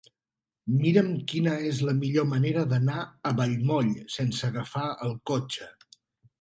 Mira'm quina és la millor manera d'anar a Vallmoll sense agafar el cotxe.